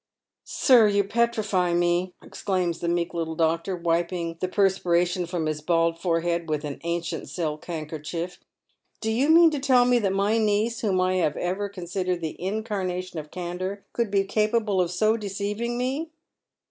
" Sir, you petrify me," exclaims the meek little doctor, wiping the perspiration j&om his bald forehead with an ancient silk handkerchief. " Do you mean to tell me that my niece, whom I have ever considered the incarnation of candour, could be capable of so deceiving me